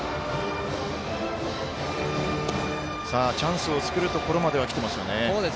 チャンスを作るところまではきてますよね。